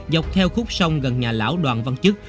dọc theo khúc sông gần nhà lão đoàn văn chức